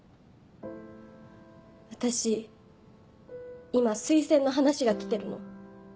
私今推薦の話が来てるの。